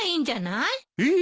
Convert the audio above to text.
えっ！